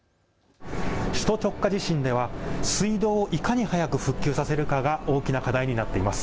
首都直下地震では水道をいかに早く復旧させるかが大きな課題になっています。